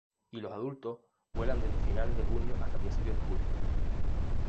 Y los adultos vuelan desde finales de junio hasta principios de julio.